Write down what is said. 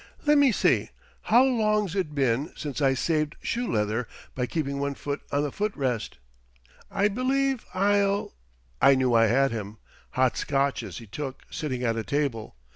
Lemme see—how long's it been since I saved shoe leather by keeping one foot on the foot rest? I believe I'll—" I knew I had him. Hot Scotches he took, sitting at a table.